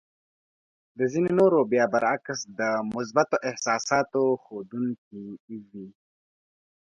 د ځينو نورو بيا برعکس د مثبتو احساساتو ښودونکې وې.